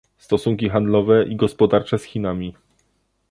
Stosunki handlowe i gospodarcze z Chinami